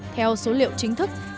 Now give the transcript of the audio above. theo số liệu chính thức